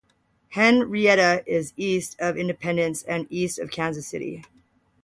Henrietta is east of Independence and east of Kansas City.